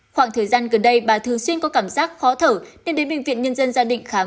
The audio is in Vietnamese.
khoảng thời gian gần đây bà thường xuyên có cảm giác khó thở nên đến bệnh viện nhân dân gia định khám